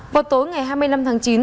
một tối ngày hai mươi năm tháng chín